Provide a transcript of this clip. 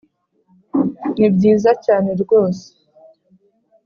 nibyiza cyane rwose